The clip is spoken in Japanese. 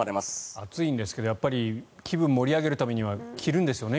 暑いんですけどやっぱり気分を盛り上げるためには着るんですよね